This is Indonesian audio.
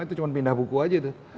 itu cuma pindah buku aja tuh